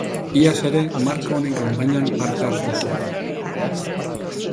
Iaz ere, marka honen kanpainan parte hartu zuen.